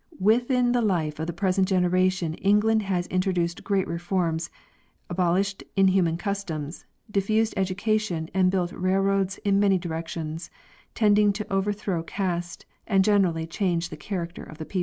Within the life of the present generation England has in troduced great reforms, abolished inhuman customs, diffused ed ucation, and built railroads in many directions, tending to over throw caste and gradually change the character of the people.